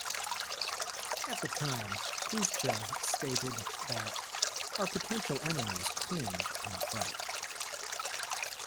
At the time, Khrushchev stated that "our potential enemies cringe in fright".